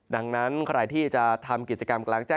ดังนั้นใครที่จะทำกิจกรรมกลางแจ้ง